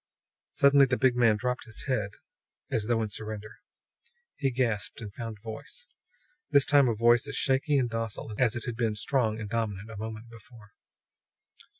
Suddenly the big man dropped his head, as though in surrender. He gasped and found voice; this time a voice as shaky and docile as it had been strong and dominant a moment before.